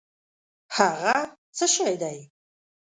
هٔغه څه شی دی؟